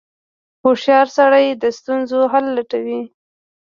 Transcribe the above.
• هوښیار سړی د ستونزو حل لټوي.